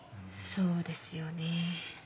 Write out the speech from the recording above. そうですよね。